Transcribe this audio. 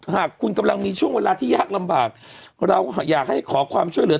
หากคุณกำลังมีช่วงเวลาที่ยากลำบากเราก็อยากให้ขอความช่วยเหลือ